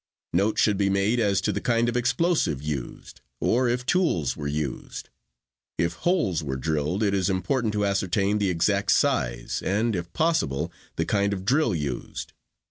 Note should be made as to the kind of explosive used, or if tools were used. If holes were drilled it is important to ascertain the exact size, and if possible the kind of drill used.